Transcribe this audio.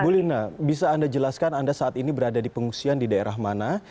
bu lina bisa anda jelaskan anda saat ini berada di pengungsian di daerah mana